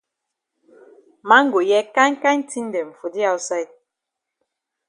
Man go hear kind kind tin dem for di outside.